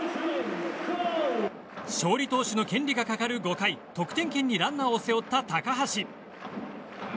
勝利投手の権利がかかる５回得点圏にランナーを背負った高橋。